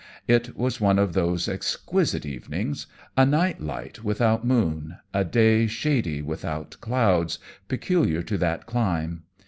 It was one of those exquisite evenings a night light without moon, a day shady without clouds peculiar to that clime.